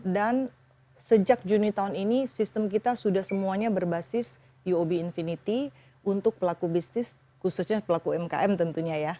dan sejak juni tahun ini sistem kita sudah semuanya berbasis uob infinity untuk pelaku bisnis khususnya pelaku umkm tentunya ya